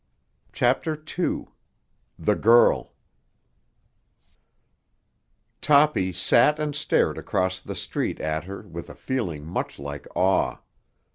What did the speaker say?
CHAPTER II—THE GIRL Toppy sat and stared across the street at her with a feeling much like awe.